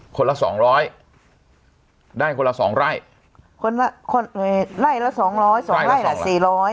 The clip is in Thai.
ละสองร้อยได้คนละสองไร่คนละคนเอ่ยไร่ละสองร้อยสองไร่ละสี่ร้อย